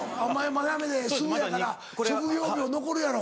まだ辞めてすぐやから職業病残るやろ。